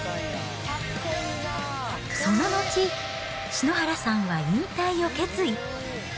その後、篠原さんは引退を決意。